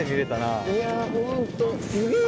いやホントすげえ。